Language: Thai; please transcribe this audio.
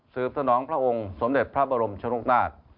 สนองพระองค์สมเด็จพระบรมชนกนาฏ